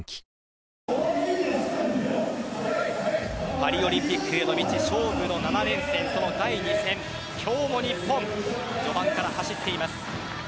パリオリンピックへの道勝負の７連戦その第２戦、今日も日本序盤から走っています。